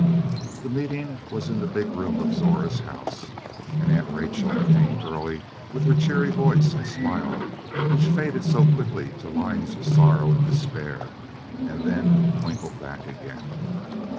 The meeting was in the big room of Zora's house, and Aunt Rachel came early with her cheery voice and smile which faded so quickly to lines of sorrow and despair, and then twinkled back again.